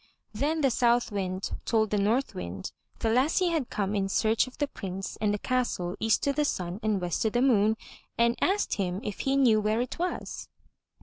Then the South Wind told the North Wind the lassie had come in search of the Prince and the castle EAST O' THE SUN AND WEST O' THE MOON and asked him if he knew where it was.